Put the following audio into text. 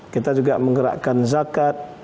kita juga menggerakkan zakat